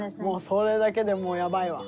それだけでもうやばいわ。